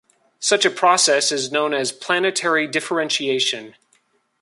Such a process is known as planetary differentiation.